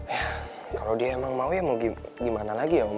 eh kalau dia emang mau ya mau gimana lagi ya om